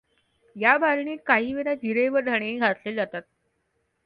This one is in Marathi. या भाजणीत काही वेळा जिरे व धणेही घातले जातात.